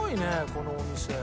このお店。